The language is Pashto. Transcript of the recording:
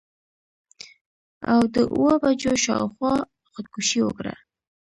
او د اووه بجو شا او خوا خودکشي وکړه.